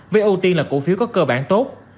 với ưu tiên là cổ phiếu có cơ bản tốt